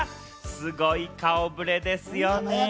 すごい顔触れですよね。